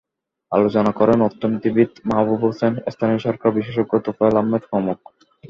আলোচনা করেন অর্থনীতিবিদ মাহবুব হোসেন, স্থানীয় সরকার বিশেষজ্ঞ তোফায়েল আহমেদ প্রমুখ।